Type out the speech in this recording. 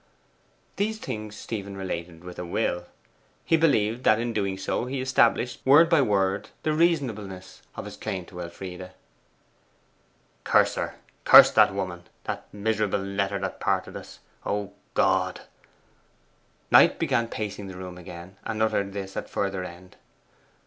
These things Stephen related with a will. He believed that in doing so he established word by word the reasonableness of his claim to Elfride. 'Curse her! curse that woman! that miserable letter that parted us! O God!' Knight began pacing the room again, and uttered this at further end.